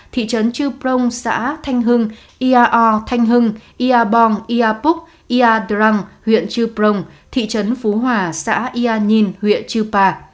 thị trấn chư prong xã thanh hưng yaro thanh hưng yabong yapuk yadrang huyện chư prong thị trấn phú hòa xã yanyin huyện chư pa